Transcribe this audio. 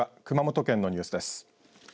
熊本県のニュースです。